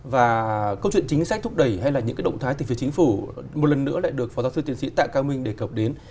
và câu chuyện chính sách thúc đẩy hay là những cái động thái từ phía chính phủ một lần nữa lại được phó giáo sư tiến sĩ tạ cao minh đề cập đến